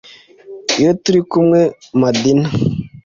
iyo turi kumwe madina